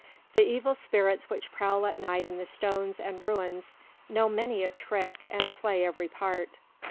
"The evil spirits which prowl at night in the stones and ruins know many a trick and play every part."